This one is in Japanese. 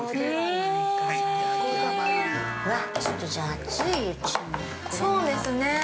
◆そうですね。